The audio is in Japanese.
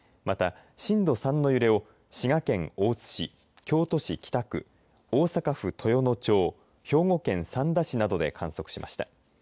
また震度３の揺れを滋賀県大津市京都市北区大阪府豊能町兵庫県三田市などで観測しました。